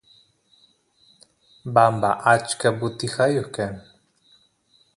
bamba achka butijayoq kan